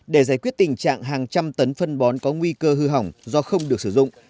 để giải quyết tình trạng hàng trăm tấn phân bón có nguy cơ hư hỏng do không được sử dụng